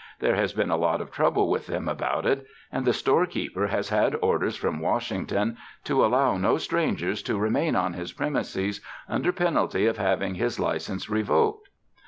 There has been a lot of trouble with them about it, and the storekeeper has had orders from Washington to allow no strangers to remain on his premises under penalty of having his license re voked.